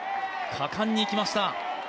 果敢にいきました。